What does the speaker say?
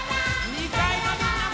２かいのみんなも！